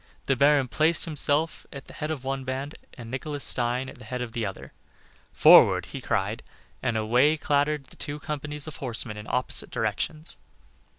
The baron placed himself at the head of one band and Nicholas Stein at the head of the other. "Forward!" he cried, and away clattered the two companies of horsemen in opposite directions.